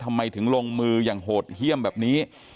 ทำไมถึงลงมืออย่างโหดเยี่ยมแบบนี้